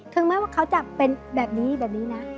แม้ว่าเขาจะเป็นแบบนี้แบบนี้นะ